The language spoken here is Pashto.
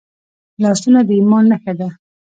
لاسونه د ایمان نښه ده